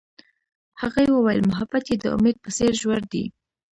هغې وویل محبت یې د امید په څېر ژور دی.